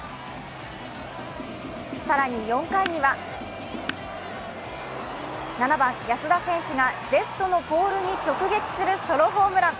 更に４回には７番・安田選手がレフトのボールに直撃するソロホームラン。